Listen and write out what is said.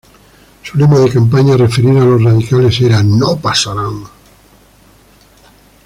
Su lema de campaña, referido a los radicales, era "¡No pasarán!